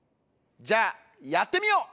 じゃあやってみよう！